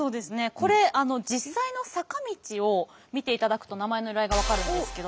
これ実際の坂道を見ていただくと名前の由来が分かるんですけど。